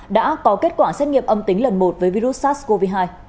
đã có kết quả xét nghiệm âm tính lần một với virus sars cov hai